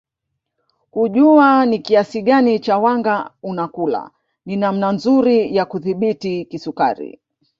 Kujua ni kiasi gani cha wanga unakula ni namna nzuri ya kudhibiti kisukari